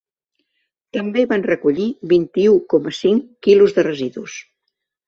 També van recollir vint-i-u coma cinc quilos de residus.